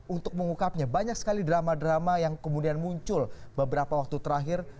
untuk mengungkapnya banyak sekali drama drama yang kemudian muncul beberapa waktu terakhir